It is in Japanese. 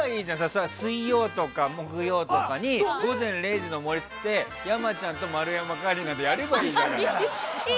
それは、水曜とか木曜とかに「午前０時の森」って山ちゃんと丸山桂里奈でやればいいじゃない。